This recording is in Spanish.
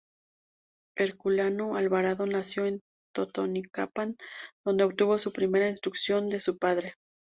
Herculano Alvarado nació en Totonicapán, donde obtuvo su primera instrucción de su padre.